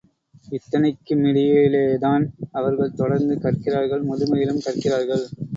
இத்தனைக்குமிடையிலேதான், அவர்கள் தொடர்ந்து கற்கிறார்கள் முதுமையிலும் கற்கிறார்கள்.